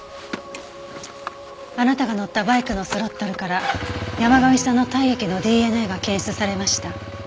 あなたが乗ったバイクのスロットルから山神さんの体液のＤＮＡが検出されました。